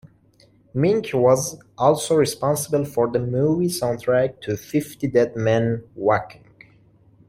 Mink was also responsible for the movie soundtrack to "Fifty Dead Men Walking".